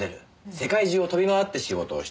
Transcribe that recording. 世界中を飛びまわって仕事をしている。